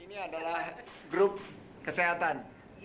ini adalah grup kesehatan